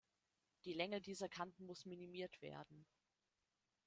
Die Länge dieser Kanten muss minimiert werden.